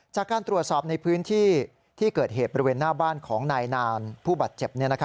จากการตรวจสอบในพื้นที่ที่เกิดเหตุบริเวณหน้าบ้านของนายนานผู้บาดเจ็บ